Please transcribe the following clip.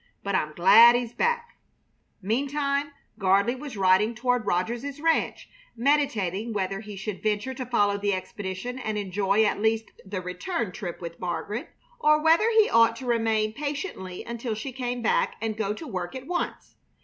But I'm glad he's back!" Meantime Gardley was riding toward Rogers's ranch, meditating whether he should venture to follow the expedition and enjoy at least the return trip with Margaret, or whether he ought to remain patiently until she came back and go to work at once.